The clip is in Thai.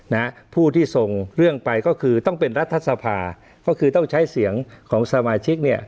นะฮะผู้ที่ส่งเรื่องไปก็คือต้องเป็นรัฐสภาก็คือต้องใช้เสียงของสมาชิกเนี่ย